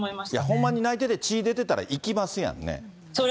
ほんまに泣いてて血出てたら行きますやんね。